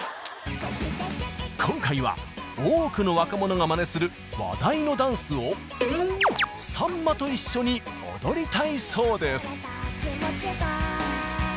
今回は多くの若者がまねする話題のダンスをさんまと一緒に踊りたいそうです。